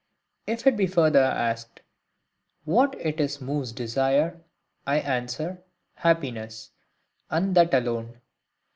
If it be further asked,—What it is moves desire? I answer,—happiness, and that alone.